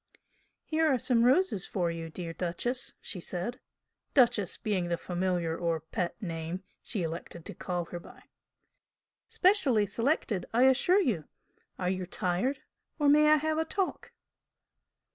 "Here are some roses for you, dear 'Duchess!'" she said, "Duchess" being the familiar or "pet" name she elected to call her by. "Specially selected, I assure you! Are you tired? or may I have a talk?"